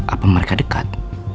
apa mereka dekat